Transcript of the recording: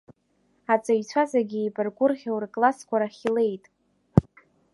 Аҵаҩцәа зегьы еибаргәырӷьо рыклассқәа рахь илеит.